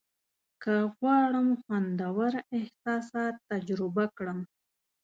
که غواړم خوندور احساسات تجربه کړم.